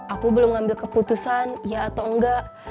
aku belum ngambil keputusan ya atau enggak